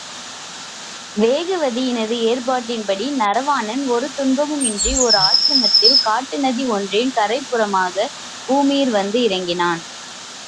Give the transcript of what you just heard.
வேகவதியினது ஏற்பாட்டின்படி நரவாணன் ஒரு துன்பமுமின்றி ஓர் ஆசிரமத்தில், காட்டுநதி ஒன்றின் கரைப் புறமாகப் பூமியில் வந்து இறங்கினான்.